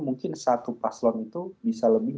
mungkin satu paslon itu bisa lebih